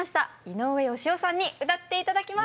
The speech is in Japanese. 井上芳雄さんに歌って頂きます。